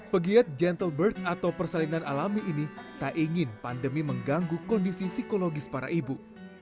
pegiat gentle bird atau persalinan alami ini tak ingin pandemi mengganggu kondisi psikologis para ibu